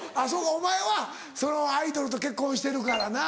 お前はアイドルと結婚してるからな。